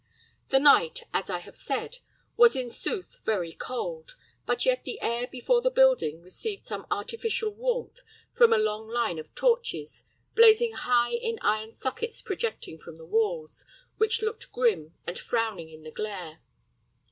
The night, as I have said, was in sooth very cold; but yet the air before the building received some artificial warmth from a long line of torches, blazing high in iron sockets projecting from the walls, which looked grim and frowning in the glare.